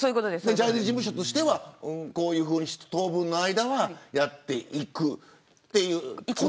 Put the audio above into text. ジャニーズ事務所としてはこういうふうに当分の間はやっていく。